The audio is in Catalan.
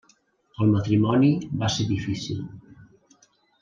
El matrimoni va ser difícil.